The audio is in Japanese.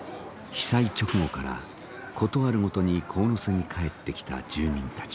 被災直後からことあるごとに神瀬に帰ってきた住民たち。